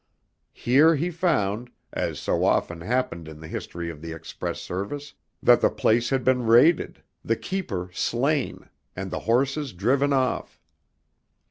Here he found as so often happened in the history of the express service that the place had been raided, the keeper slain, and the horses driven off.